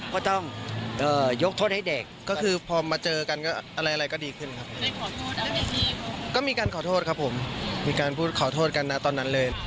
ก็มีการขอโทษครับผมมีการพูดขอโทษกันตอนนั้นเลย